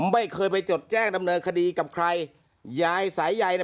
ไม่เคยไปจดแจ้งดำเนินคดีกับใครยายสายยายเนี่ย